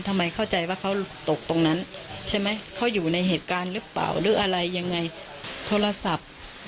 ทำไมเข้าใจว่าเขาตกตรงนั้นใช่ไหม